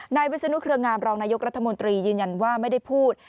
วิศนุเครืองามรองนายกรัฐมนตรียืนยันว่าไม่ได้พูด